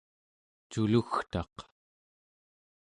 culugtaq